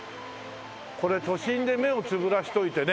これ都心で目をつぶらせといてね